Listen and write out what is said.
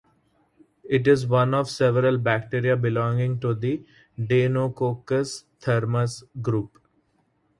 It is one of several bacteria belonging to the "Deinococcus-Thermus" group.